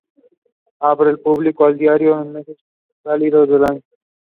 She was also the honorary secretary of the Celtic Congress.